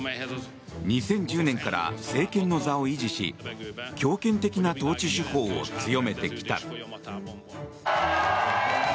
２０１０年から政権の座を維持し強権的な統治手法を強めてきた。